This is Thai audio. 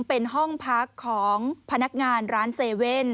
เป็นห้องพักของพนักงานร้าน๗๑๑